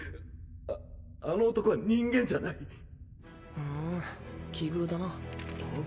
ああの男は人間じゃないふん奇遇だなはっ？